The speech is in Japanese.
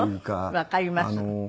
わかります。